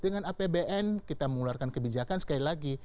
dengan apbn kita mengeluarkan kebijakan sekali lagi